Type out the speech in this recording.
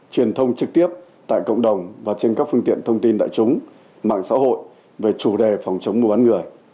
truyền thông trực tiếp tại cộng đồng và trên các phương tiện thông tin đại chúng mạng xã hội về chủ đề phòng chống mua bán người